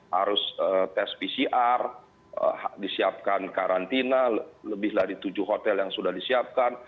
harus tes pcr disiapkan karantina lebih dari tujuh hotel yang sudah disiapkan